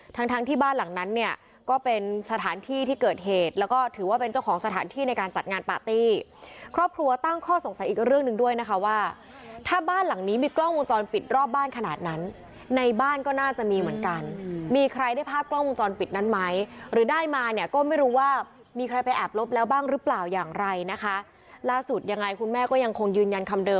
ทั้งทั้งที่บ้านหลังนั้นเนี่ยก็เป็นสถานที่ที่เกิดเหตุแล้วก็ถือว่าเป็นเจ้าของสถานที่ในการจัดงานปาร์ตี้ครอบครัวตั้งข้อสงสัยอีกเรื่องหนึ่งด้วยนะคะว่าถ้าบ้านหลังนี้มีกล้องมุมจรปิดรอบบ้านขนาดนั้นในบ้านก็น่าจะมีเหมือนกันมีใครได้ภาพกล้องมุมจรปิดนั้นไหมหรือได้มาเนี่ยก็ไม่รู้ว่ามีใครไป